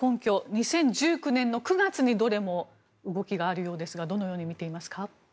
２０１９年の９月にどれも動きがあるようですがどのように見ていますか？